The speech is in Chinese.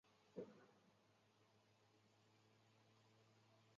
他于南宋高宗绍兴二十四年甲戌科武状元登第。